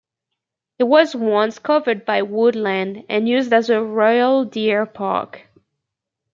It was once covered by woodland and used as a royal deer park.